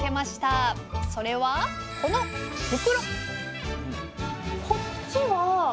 それはこの袋